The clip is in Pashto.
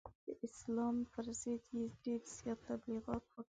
د اسلام پر ضد یې ډېر زیات تبلغیات وکړل.